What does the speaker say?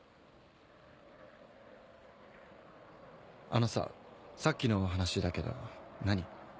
あのささっきの話だけど何？